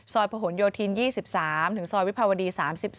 ซอยโผนโยธีน๒๓ถึงซอยวิภาวดี๓๒